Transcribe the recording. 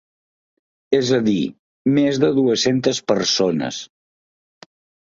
És a dir, més de dues-centes persones.